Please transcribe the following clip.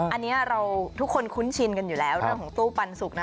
อันนี้เราทุกคนคุ้นชินกันอยู่แล้วเรื่องของตู้ปันสุกนะ